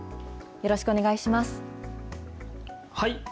よろしくお願いします。